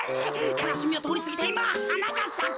かなしみをとおりすぎていまはながさく。